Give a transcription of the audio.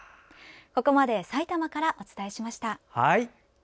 ここまでさいたまからお伝えしました。